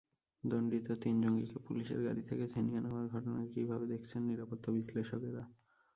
দণ্ডিত তিন জঙ্গিকে পুলিশের গাড়ি থেকে ছিনিয়ে নেওয়ার ঘটনাকে কীভাবে দেখছেন নিরাপত্তা বিশ্লেষকেরা।